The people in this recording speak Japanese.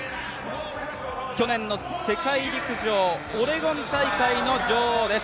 去年の世界陸上オレゴン大会の女王です。